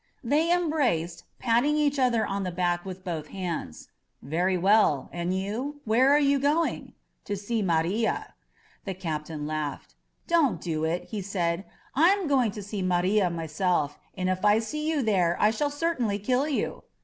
They embraced, patting each other on the back with both hands. Very welL And you? Where are you going?'' ••To see Maria.'^ The captain laughed. ""DonH do it,*^ he said; ^m going to see Maria myself, and if I see you there I shall certainly kill you.